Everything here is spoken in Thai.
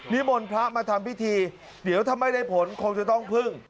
มนต์พระมาทำพิธีเดี๋ยวถ้าไม่ได้ผลคงจะต้องพึ่ง